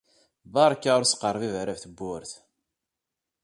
Beṛka ur sqerbib ara ɣef tewwurt!